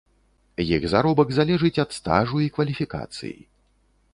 Іх заробак залежыць ад стажу і кваліфікацыі.